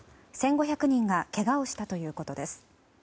１５００人がけがをしたということです。